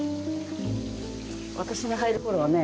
私が入るころはね